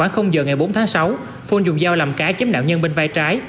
khoảng giờ ngày bốn tháng sáu phun dùng dao làm cá chém nạo nhân bên vai trái